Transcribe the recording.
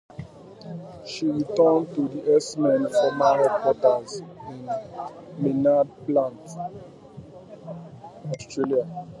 She returns to the X-Men's former headquarters in Maynards Plains, Australia.